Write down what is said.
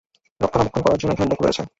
রক্ষণাবেক্ষণ করার জন্য এখানে লোক রয়েছে।